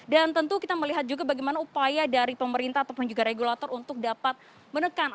tentu kita melihat juga bagaimana upaya dari pemerintah ataupun juga regulator untuk dapat menekan